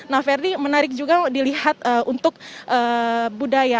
nah verdi menarik juga dilihat untuk budaya